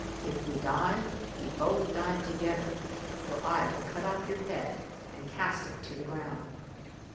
If we die, we both die together; for I will cut off your head and cast it to the ground!"